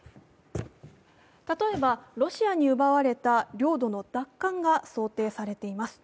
例えばロシアに奪われた領土の奪還が想定されています。